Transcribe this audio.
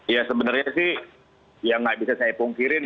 ya sebenarnya sih yang nggak bisa saya pungkirin ya